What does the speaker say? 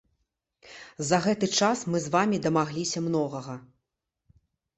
За гэты час мы з вамі дамагліся многага.